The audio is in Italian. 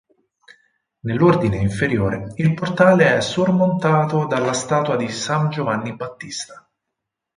Nell'ordine inferiore il portale è sormontato dalla statua di San Giovanni Battista.